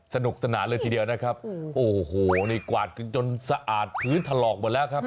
สนุกสนานเลยทีเดียวนะครับโอ้โหนี่กวาดกันจนสะอาดพื้นถลอกหมดแล้วครับ